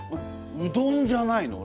うどんじゃないの？